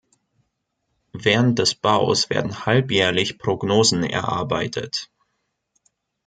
Während des Baus werden halbjährlich Prognosen erarbeitet.